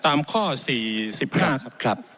ตามข้อ๔๕ครับ